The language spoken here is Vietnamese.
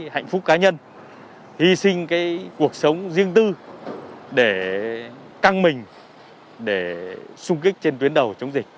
hạnh phúc cá nhân hy sinh cái cuộc sống riêng tư để căng mình để xung kích trên tuyến đầu chống dịch